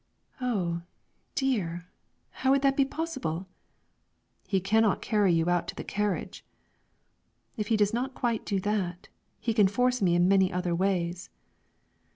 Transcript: "Oh, dear! how would that be possible?" "He cannot carry you out to the carriage." "If he does not quite do that, he can force me in many other ways."